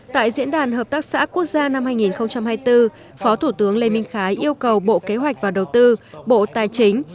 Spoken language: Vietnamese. tại diễn đàn hợp tác xã quốc gia năm hai nghìn hai mươi bốn phó thủ tướng lê minh khái yêu cầu bộ kế hoạch và đầu tư bộ tài chính